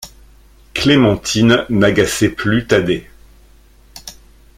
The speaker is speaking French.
Clémentine n’agaçait plus Thaddée.